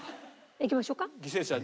いきましょうか？